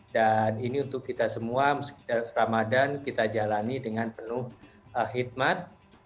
dan ini untuk kita semua ramadan kita jalani dengan penuh khidmat